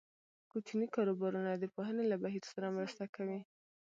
کوچني کاروبارونه د پوهنې له بهیر سره مرسته کوي.